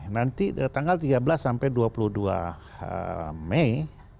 nanti tanggal tiga belas sampai dua puluh dua mei